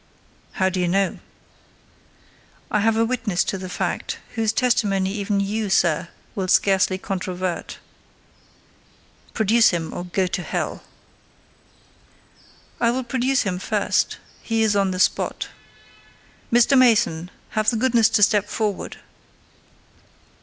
"How do you know?" "I have a witness to the fact, whose testimony even you, sir, will scarcely controvert." "Produce him—or go to hell." "I will produce him first—he is on the spot. Mr. Mason, have the goodness to step forward."